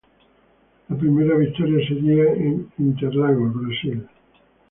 La primera victoria sería en Interlagos, Brasil.